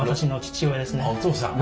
お父さん？